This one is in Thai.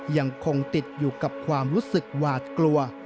ยังคงติดอยู่กับความรู้สึกหวาดกลัว